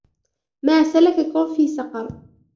ما سلككم في سقر